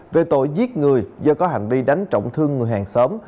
về tội giết người do có hành vi đánh trọng thương người hàng xóm